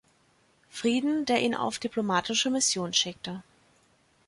Frieden, der ihn auf diplomatische Mission schickte.